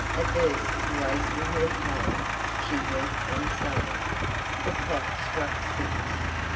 Averse to wasting her time, she went on sewing. The clock struck six.